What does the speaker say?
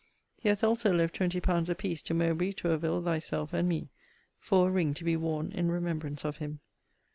He has also left twenty pounds a piece to Mowbray, Tourville, thyself, and me, for a ring to be worn in remembrance of him.